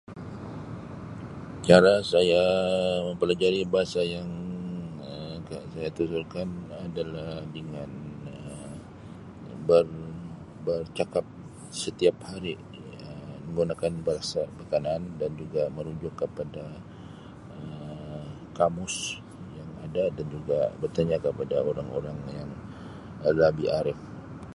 Cara saya mempelajari bahasa yang [unintelligible] adalah dengan ber- bercakap setiap hari Um menggunakan bahasa berkenaan dan juga merujuk kepada Um kamus yang ada dan juga bertanya kepada orang-orang yang lebih arif.